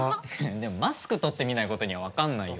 でもマスク取ってみないことには分かんないよ。